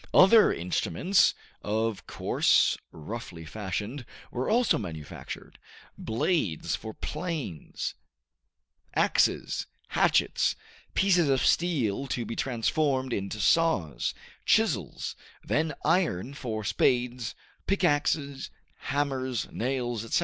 Other instruments, of course roughly fashioned, were also manufactured; blades for planes, axes, hatchets, pieces of steel to be transformed into saws, chisels; then iron for spades, pickaxes, hammers, nails, etc.